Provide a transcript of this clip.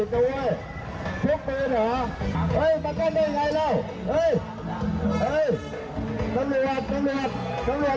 ตำรวจมาให้ดูหน่อย